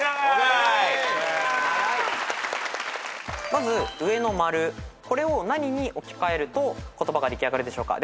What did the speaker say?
まず上の○これを何に置き換えると言葉ができあがるでしょうか？